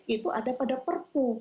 itu ada pada perpu